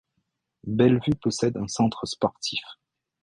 Bellevue possède un centre sportif.